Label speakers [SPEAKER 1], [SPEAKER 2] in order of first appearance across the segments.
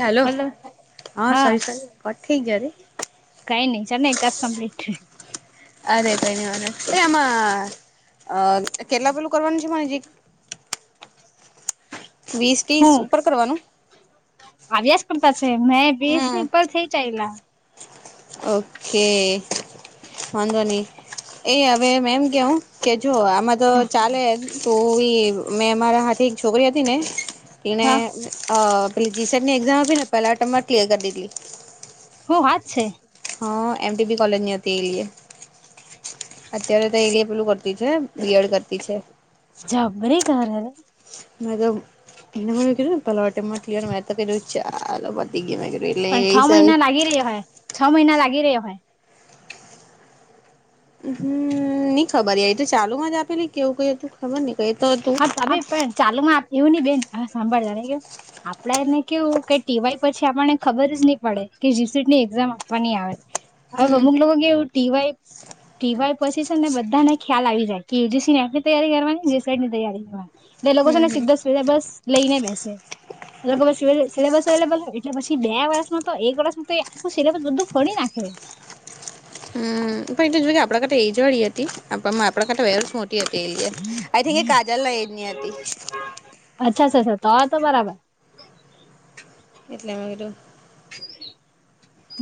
[SPEAKER 1] Hello
[SPEAKER 2] hello
[SPEAKER 1] હા sorry sorry હ ઠી જ ર
[SPEAKER 2] ચ એક તલાસ કંપ્લીટ
[SPEAKER 1] અરે તનવાનું એ આમાં અ કેટલા પેલું કરવાનું છે મનેજી વીસ પીસ ઉપર કરવાનું
[SPEAKER 2] આવ્યાસ કરતા છે મેં બેસ
[SPEAKER 1] હમ
[SPEAKER 2] પલ થઈ ચાલલા
[SPEAKER 1] ઓકે વાંધો નહી એ હવે મેમ કેવું કે જો આમાં તો ચાલે તું ઈ મેં મારા હાથે એક છોકરી હતી ને એને
[SPEAKER 2] હા
[SPEAKER 1] પેીસની એક્ઝામ આપી ને પેલા એમ ક્લિયર કરી દીધી
[SPEAKER 2] હ વાત છે
[SPEAKER 1] હા એમટી બી કોલેજની અ હતી એલીએ અત્યારે તો એએ પેલું કરતી છે બીએડ કરતી છે
[SPEAKER 2] જબ ન ઘ
[SPEAKER 1] મે તો એને મ પલાવટમાં ચાલ વધી ગ
[SPEAKER 2] પણ છ મહિના લાગી રહ્યો હોય છ મહિના લાગી રહ્યો હોય
[SPEAKER 1] હમ નઈ ખબર એ તો ચાલુ માં જ આપેલી કેવું કઈ હતું ખબર નઈ
[SPEAKER 2] હા તમે પણ ચાલુ માં એવું નહી બેન હ સાંભળ જય આપડે એને કેવું કે ટીવાય પછી આપણને ખબર જ નહી પડે કે જીસીટી ની એક્ઝામ આપવાની આવે હ
[SPEAKER 1] હમ્મ
[SPEAKER 2] મુગ મુગ ટીવાય ટીવાય પછી છે ને બધાને ખ્યાલ આવી જાય કે એુજીસી ને એની તૈયારી કરવાની ની તૈયારી એટલે લોકો છે ને
[SPEAKER 1] હમ્મ હમ્મ
[SPEAKER 2] સીધા સુવિધા બસ લઈને બેસે એટલે સિલેબસ અવેલેબલ હોય એટલે પછી બે વર્ષમાં તો એક વર્ષમાં તો આખું સિલેબસ બધું ફડી નાખે હમ
[SPEAKER 1] હમ પણ એ તો જો કે આપડા કર એ જવાડીી હતી આપણા કરતા વસ મોટી હતી એ આઈ થિક એ કાજલ ના એજની હતી
[SPEAKER 2] અચ્છાછ તો તો બરાબર
[SPEAKER 1] એટલામાંર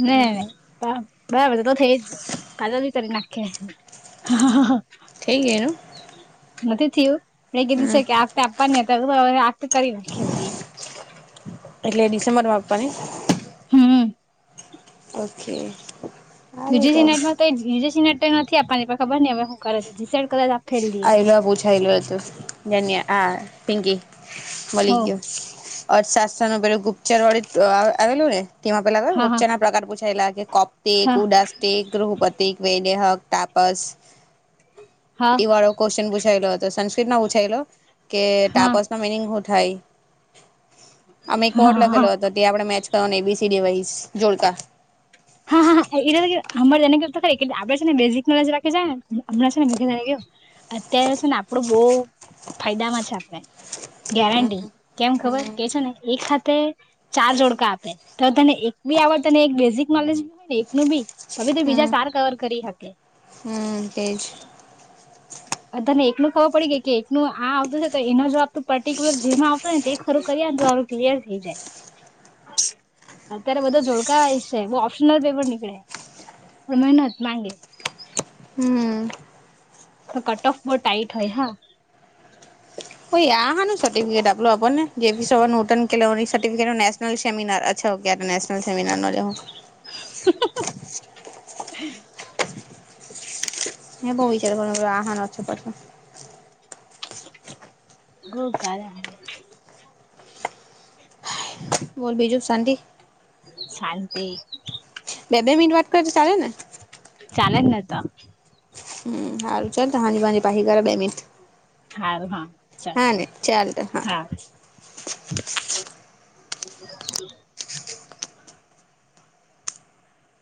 [SPEAKER 2] ના બરાબર છે તો થઈ જ ખાજા બી કરી નાખ હા
[SPEAKER 1] થ ગનું
[SPEAKER 2] નથી થયું પણ એ કીધું છે કે આતે આપવાની ત આ કરી નાખી
[SPEAKER 1] એટલે ડિસે મરમાં આપવા ને
[SPEAKER 2] હમ
[SPEAKER 1] ઓકે
[SPEAKER 2] બીજ સિનેટ માં તો બીજ સિનેટ નથી આપવાની ખબર ને હવે હું કરે જીસેડ કરદ આપ
[SPEAKER 1] આલ પૂછાયેલું હતું જન હા પિંકી મળલી
[SPEAKER 2] હો
[SPEAKER 1] ગયોર સાસસ નું પરો ગુપ્ત ચરળી આવેલું ને તેમાં પેલા
[SPEAKER 2] હા હા
[SPEAKER 1] ગપચાર ના પ્રકાર પૂછાયેલા છે કપ્તિક ઉદાસતિક ગૃહુપતિક વૈદહક તાપસ ઈ વાળો ક્વેશ્ચન પૂછાયેલો હતો સંસ્કૃતમાં પૂછાયેલો કે ટાપસ ન મિનિંગ અમે એક વર્ડ લખેલો હતો તે આપડે મેચ કરવા સનેવાસ જોડકા
[SPEAKER 2] એટ અમારેને ખ આપડે છેને બેઝિક નોલેજ રાખી જાય ને હમણાં ને મેને ગયું અત્યારે છે ને આપણું બહ ફાયદામાં છે આપડણે ગેરટી કેમ ખબર કે
[SPEAKER 1] હમ
[SPEAKER 2] છેો ને એક ખાતે તે ચાર જોડકા આપે તો તને એક બી આવડ તને એક બેઝિક નોલેજી હોય ને એકનું બી હવે તો બીજા સાર કવર કરી શકે
[SPEAKER 1] હમ એજ
[SPEAKER 2] બધાને એકલું ખબર પડી ગઈ કે એકલું આ આવતું છે તો એનો જોવાબ પર્ટિક્યુલર જેમાં આવતો ને તે ખર ને તો સારું ક્લિયર થઈ જાય અત્યારે બધો જોડકાવાયશ ઓપ્શનલ પેપર નનીકળે મહેનત માંગે
[SPEAKER 1] હમ
[SPEAKER 2] તો કટ ઓફ બહુટાઇટ હોય હા
[SPEAKER 1] હ એ હાને સર્ટિફિકેટ આપલોુંણને જેપી સબ નોટન કે સર્ટિફિકેટ નનેશનલ સેમિનાર અચ્છા ક નેશનલ સેમિનાર નો લેવો
[SPEAKER 2] હ
[SPEAKER 1] એ બહુ વિચાર આહન ઓછો પાછો
[SPEAKER 2] ઞઈ કાલે
[SPEAKER 1] બોલ બીજું શાંતિ?
[SPEAKER 2] શાંતી
[SPEAKER 1] અ બે મિનટ વાત કરજે ચાલે ને
[SPEAKER 2] ચાલે જ ને તો
[SPEAKER 1] હમ હારું ચાલ તો હાન ભની પાહી [unintelligible] બે મિટ
[SPEAKER 2] હારું હા ચાલ
[SPEAKER 1] હા ને ચાલ તો હા
[SPEAKER 2] [inaudible]